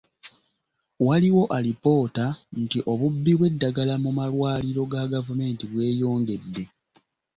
Waliwo alipoota nti obubbi bw'eddagala mu malwaliro ga gavumenti bweyongedde.